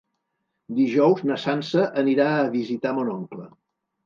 Dijous na Sança anirà a visitar mon oncle.